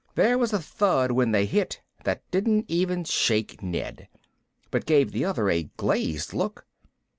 There was a thud when they hit that didn't even shake Ned, but gave the other a glazed look.